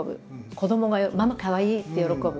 子どもが「ママかわいい！」って喜ぶ。